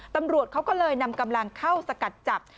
ตำรวจเขาก็เลยนำกำลังเข้าสกัดจับ